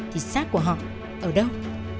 thì xác của họ ở đâu